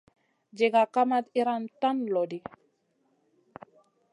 Diga kamat iyran tan loɗi.